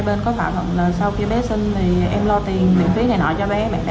có hai bên có phạm hợp là sau khi bé sinh em lo tiền miễn phí này nọ cho bé